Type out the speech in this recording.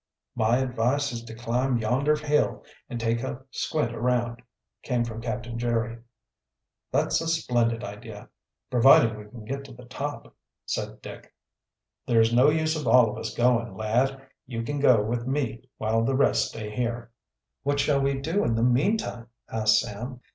"My advice is to climb yonder hill and take a squint around," came from Captain Jerry. "That's a splendid idea, providing we can get to the tap," said Dick. "There is no use of all of us going, lad. You can go with me while the rest stay here." "What shall we do in the meantime?" asked Sam.